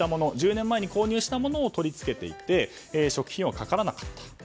１０年前に購入したものを取り付けていて初期費用が掛からなかったと。